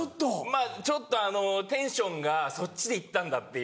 まぁちょっとあのテンションがそっちでいったんだっていう。